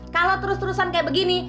kalau terus terusan kayak begini